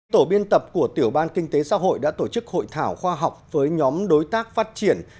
tổ biên tập của tiểu ban kinh tế xã hội đã tổ chức hội thảo khoa học với nhóm đối tác phát triển